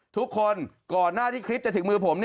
ทุกคนก่อนหน้าที่คลิปจะถึงมือผม